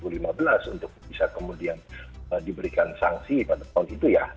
untuk bisa kemudian diberikan sanksi pada tahun itu ya